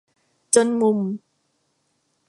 จนมุม